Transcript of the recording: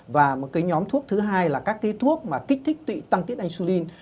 và nhóm thuốc thứ hai là các thuốc kích thích tăng tiết insulin